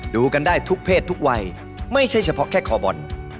ดูกันได้ทุกเพศทุกวัยไม่ใช่เฉพาะแค่คอบอล